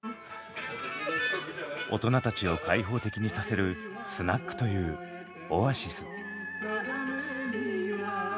大人たちを開放的にさせる「スナック」というオアシス。